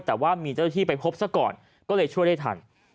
แต่ว่ามีเจ้าหน้าที่ไปพบซะก่อนก็เลยช่วยได้ทัน